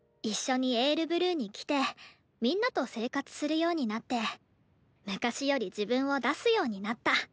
一緒に「ＡｉＲＢＬＵＥ」に来てみんなと生活するようになって昔より自分を出すようになった。